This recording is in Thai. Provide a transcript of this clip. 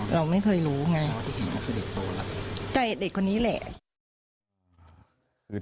เราไม่เคยรู้ไงใช่เด็กคนนี้แหละ